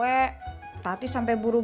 eh tadi sampe buruk